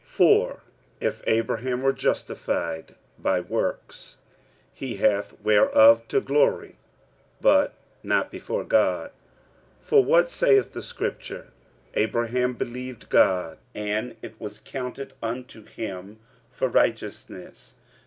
45:004:002 For if Abraham were justified by works, he hath whereof to glory; but not before God. 45:004:003 For what saith the scripture? Abraham believed God, and it was counted unto him for righteousness.